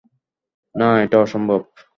না, এটা অসম্ভব!